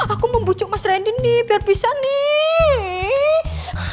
aku mau bujuk mas rendy nih biar bisa nih